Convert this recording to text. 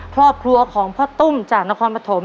ครอบครัวของพ่อตุ้มจากนครปฐม